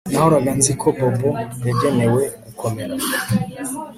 Nahoraga nzi ko Bobo yagenewe gukomera